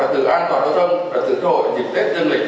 các lực lượng chức năng